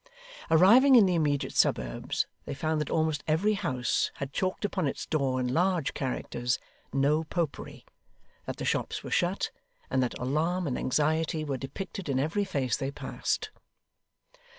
Arriving in the immediate suburbs, they found that almost every house had chalked upon its door in large characters 'No Popery,' that the shops were shut, and that alarm and anxiety were depicted in every face they passed.